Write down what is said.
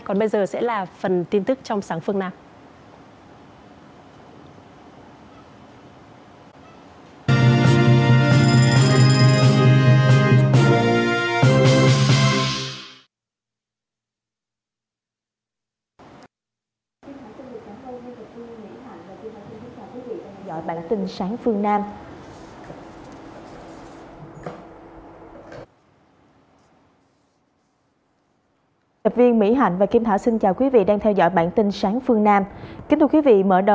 còn bây giờ sẽ là phần tin tức trong sáng phương nam